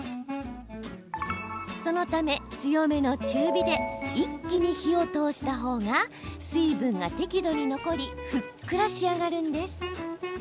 そのため、強めの中火で一気に火を通した方が水分が適度に残りふっくら仕上がるんです。